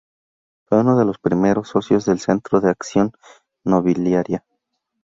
Fue uno de los primeros socios del Centro de Acción Nobiliaria.